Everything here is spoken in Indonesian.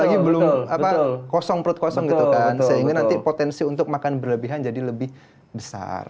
apalagi belum kosong perut kosong gitu kan sehingga nanti potensi untuk makan berlebihan jadi lebih besar